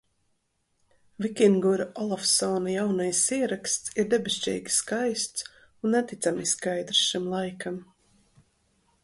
Vikingura Olafsona jaunais ieraksts ir debešķīgi skaists un neticami skaidrs šim laikam.